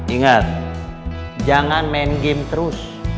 ingat jangan main game terus